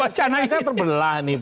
wacana kita terbelah nih